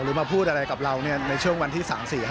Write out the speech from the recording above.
หรือมาพูดอะไรกับเราในช่วงวันที่๓๔๕